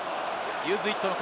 ユーズイットの声。